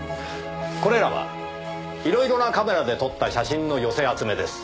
これらはいろいろなカメラで撮った写真の寄せ集めです。